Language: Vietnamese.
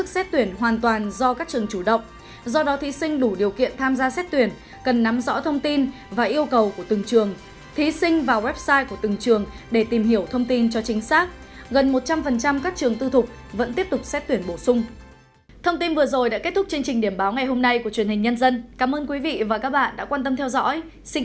xin kính chào và hẹn gặp lại